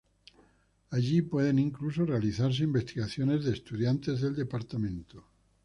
Allí pueden incluso realizarse investigaciones de estudiantes del departamento.